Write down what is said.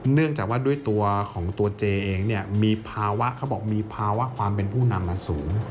เนื่องจากว่าด้วยตัวของตัวเจเองเนี่ยมีภาวะความเป็นผู้นำมาสูง